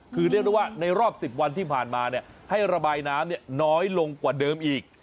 คือเรียกได้ว่าในรอบ๑๐วันที่ผ่านมาให้ระบายน้ำน้อยลงกว่าเดิมอีก